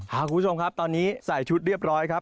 คุณผู้ชมครับตอนนี้ใส่ชุดเรียบร้อยครับ